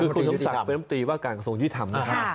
คุณสมศักดิ์เป็นน้ำตีว่าการกระทรวงยุทธรรมนะครับ